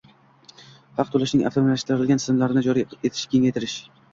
haq to‘lashning avtomatlashtirilgan tizimlarini joriy etishni kengaytirish;